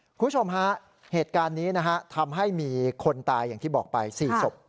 คุณผู้ชมฮะเหตุการณ์นี้นะฮะทำให้มีคนตายอย่างที่บอกไป๔ศพ